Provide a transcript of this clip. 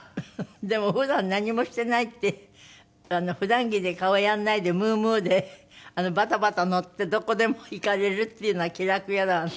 でも普段何もしてないって普段着で顔やらないでムームーでバタバタ乗ってどこでも行かれるっていうのは気楽だろうね。